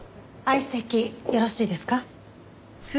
相席よろしいですか？